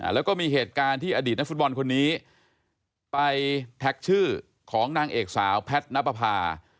แล้วก็มีเหตุการณ์ที่อดีตนักฟุตบอลคนนี้ไปแท็กชื่อของนางเอกสาวแพทย์นับประพา